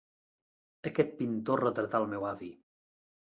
Aquest pintor retratà el meu avi.